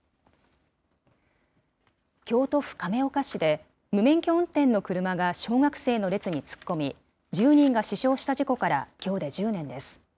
京都府亀岡市で、無免許運転の車が小学生の列に突っ込み、１０人が死傷した事故からきょうで１０年です。